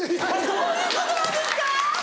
どういうことなんですか？